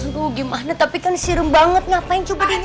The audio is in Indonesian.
aduh gimana tapi kan serem banget ngapain coba dinyatanya